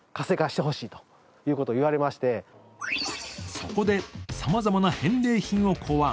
そこでさまざまな返礼品を考案。